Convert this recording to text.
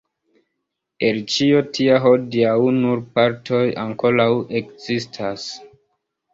El ĉio tia hodiaŭ nur partoj ankoraŭ ekzistas.